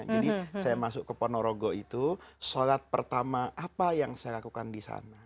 jadi saya masuk ke ponorogo itu sholat pertama apa yang saya lakukan di sana